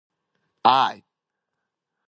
They have a single naupliar eye.